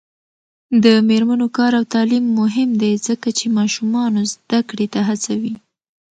د میرمنو کار او تعلیم مهم دی ځکه چې ماشومانو زدکړې ته هڅوي.